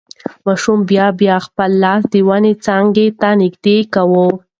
ماشوم بیا بیا خپل لاس د ونې څانګې ته نږدې کاوه.